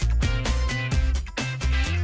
เอาล่ะเดินทางมาถึงในช่วงไฮไลท์ของตลอดกินในวันนี้แล้วนะครับ